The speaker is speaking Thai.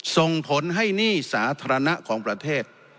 ส่งผลให้หนี้สาธารณะของประเทศ